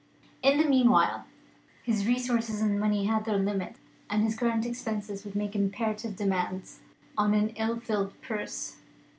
In the meanwhile, his resources in money had their limits; and his current expenses would make imperative demands on an ill filled purse.